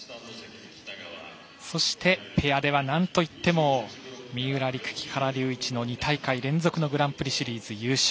そしてペアではなんといっても三浦璃来、木原龍一の２大会連続のグランプリシリーズ優勝。